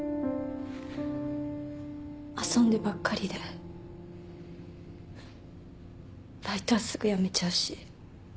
遊んでばっかりでバイトはすぐ辞めちゃうし。